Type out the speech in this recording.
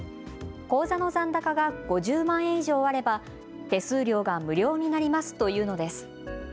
口座の残高が５０万円以上あれば手数料が無料になりますというのです。